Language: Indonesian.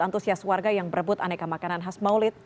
antusias warga yang berebut aneka makanan khas maulid